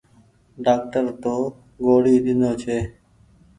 ڍآڪٽر تو گوڙي ۮينو ڇي۔